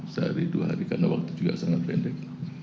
sehari dua hari karena waktu juga sangat pendek